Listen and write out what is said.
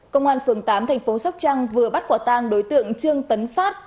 công an phường tám tp sóc trăng vừa bắt quả tang đối tượng trương tấn phát